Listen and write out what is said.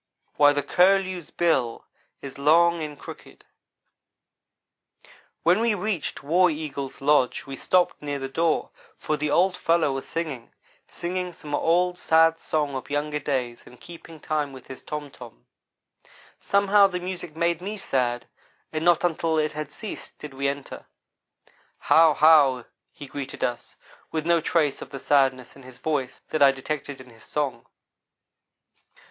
Ho!" WHY THE CURLEW'S BILL IS LONG AND CROOKED WHEN we reached War Eagle's lodge we stopped near the door, for the old fellow was singing singing some old, sad song of younger days and keeping time with his tom tom. Somehow the music made me sad and not until it had ceased, did we enter. "How! How!" he greeted us, with no trace of the sadness in his voice that I detected in his song.